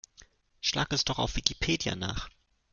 Schlag es doch auf Wikipedia nach!